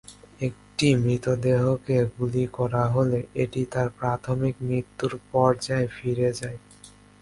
একটি মৃতদেহকে গুলি করা হলে এটি তার প্রাথমিক মৃত্যুর পর্যায়ে ফিরে যায়।